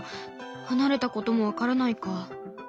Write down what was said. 離れたことも分からないか。